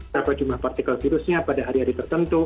berapa jumlah partikel virusnya pada hari hari tertentu